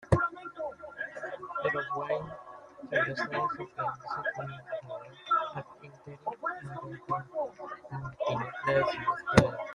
Pero White, quien ya estaba desempeñándose como embajador "ad interim" en Constantinopla, decidió esperar.